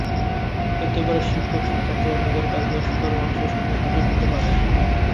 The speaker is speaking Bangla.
এতে করে শিক্ষক-শিক্ষার্থীরা নিজের কাজ নিয়ে সাধারণ মানুষের সামনে হাজির হতে পারে।